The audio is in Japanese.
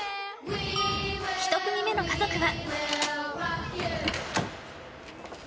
１組目の家族は。